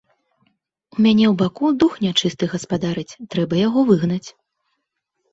У мяне ў баку дух нячысты гаспадарыць, трэба яго выгнаць.